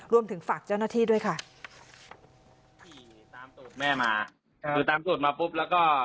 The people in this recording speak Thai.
รวมถึงฝากเจ้าหน้าที่ด้วยค่ะขี่ตามสูตรแม่มาคือตามสูตรมาปุ๊บแล้วก็